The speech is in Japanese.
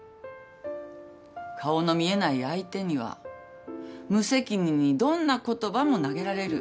顔の見えない相手には無責任にどんな言葉も投げられる。